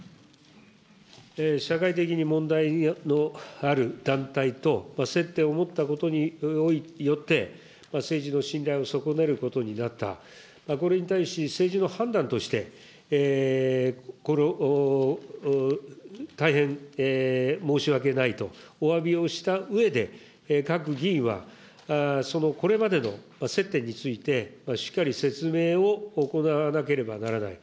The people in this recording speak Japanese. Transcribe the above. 社会的に問題のある団体と、接点を持ったことによって、政治の信頼を損ねることになった、これに対し政治の判断として、大変申し訳ないと、おわびをしたうえで、各議員は、そのこれまでの接点について、しっかり説明を行わなければならない。